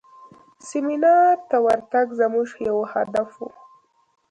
سیمینار ته ورتګ زموږ یو هدف و.